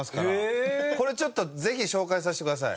これちょっとぜひ紹介させてください。